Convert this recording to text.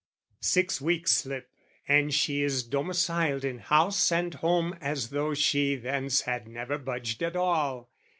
Six weeks slip, And she is domiciled in house and home As though she thence had never budged at all.